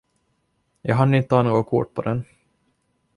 Jag hann inte ta något kort på den.